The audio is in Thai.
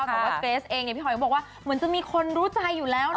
สาวเกรซเองเขาก็พูดว่าเหมือนจะมีคนรู้ใจอยู่แล้วนะ